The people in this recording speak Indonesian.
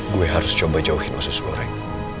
gue harus coba jauhinmu sesuai orang